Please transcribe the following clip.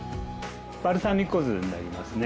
バルサミコ酢になりますね。